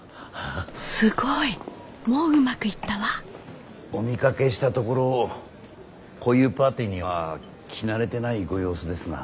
すごいもううまくいったわお見かけしたところこういうパーティーには来慣れてないご様子ですが。